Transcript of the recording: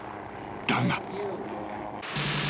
［だが］